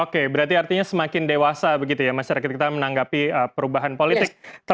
oke berarti artinya semakin dewasa begitu ya masyarakat kita menanggapi perubahan politik